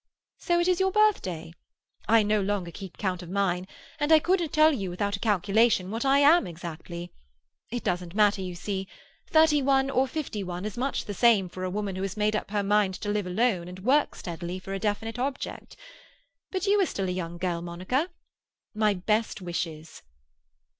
"So it is your birthday? I no longer keep count of mine, and couldn't tell you without a calculation what I am exactly. It doesn't matter, you see. Thirty one or fifty one is much the same for a woman who has made up her mind to live alone and work steadily for a definite object. But you are still a young girl, Monica. My best wishes!"